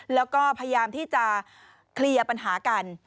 แล้วก็พยายามที่จะเคลียร์ปัญหากัน